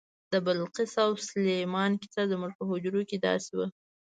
د بلقیس او سلیمان کیسه زموږ په حجرو کې داستان و.